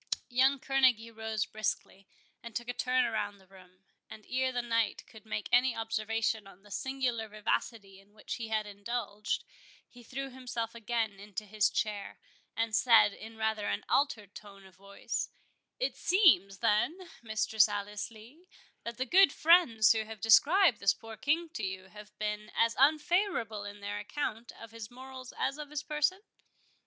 Young Kerneguy rose briskly, and took a turn through the room; and ere the knight could make any observation on the singular vivacity in which he had indulged, he threw himself again into his chair, and said, in rather an altered tone of voice—"It seems, then, Mistress Alice Lee, that the good friends who have described this poor King to you, have been as unfavourable in their account of his morals as of his person?"